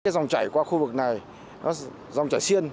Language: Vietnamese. dòng chảy qua khu vực này dòng chảy xiên